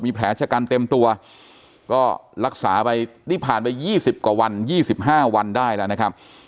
แผลชะกันเต็มตัวก็รักษาไปนี่ผ่านไป๒๐กว่าวัน๒๕วันได้แล้วนะครับ